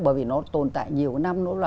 bởi vì nó tồn tại nhiều năm